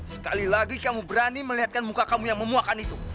sekali lagi kamu berani melihatkan muka kamu yang memuakan itu